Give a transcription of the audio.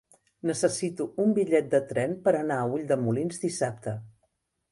Necessito un bitllet de tren per anar a Ulldemolins dissabte.